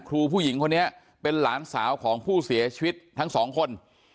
ผู้หญิงคนนี้เป็นหลานสาวของผู้เสียชีวิตทั้งสองคน